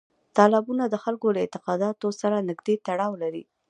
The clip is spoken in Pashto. تالابونه د خلکو له اعتقاداتو سره نږدې تړاو لري.